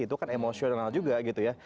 itu kan emosional juga gitu ya